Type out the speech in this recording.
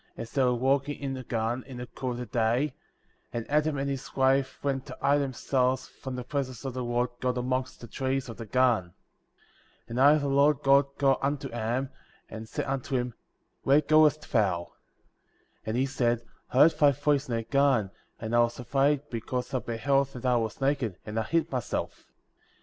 17 as they were walking in the garden/ in the cool of the day ; and Adam and his wife went to hide them selves from the presence of the Lord God amongst the trees of the garden. 15. And I, the Lord God, called unto Adam, and said unto him: Where goest thou? 16. And he said : I heard thy voice in the garden, and I was afraid, because I beheld that I was naked," and I hid myself. 17.